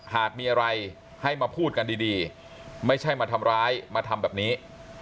หากมีอะไรให้มาพูดกันดีไม่ใช่มาทำร้ายมาทำแบบนี้